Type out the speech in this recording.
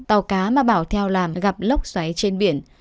tàu cá mà bảo theo làm gặp lốc xoáy trên biển